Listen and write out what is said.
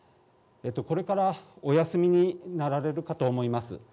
これからお休みになられるかと思います。